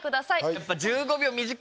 やっぱ１５秒短いな。